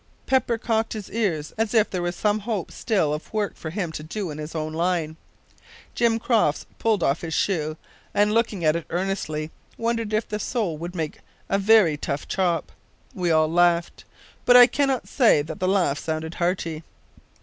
Pepper cocked his ears as if there was some hope still of work for him to do in his own line. Jim Crofts pulled off his shoe, and, looking at it earnestly, wondered if the sole would make a very tough chop. We all laughed, but I cannot say that the laugh sounded hearty.